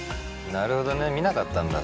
なるほどね見なかったんだ